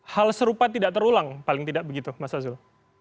hal serupa tidak terulang paling tidak begitu mas azul